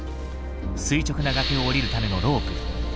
垂直な崖を下りるためのロープ。